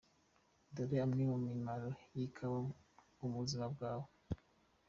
Dore imwe mu mimaro y’ikawa ku buzima bwawe.